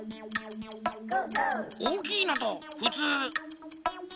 おおきいのとふつう。